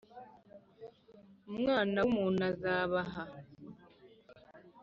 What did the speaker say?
Umwana w umuntu azabaha